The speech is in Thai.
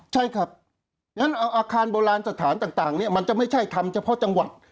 ใช่ครับงั้นเอาอาคารโบราณสถานต่างเนี่ยมันจะไม่ใช่ทำเฉพาะจังหวัด